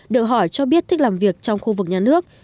được hỏi cho biết thích làm việc trong khu vực nhà nước